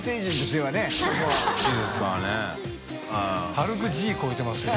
軽くＧ超えてますよ。